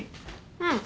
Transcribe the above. うん。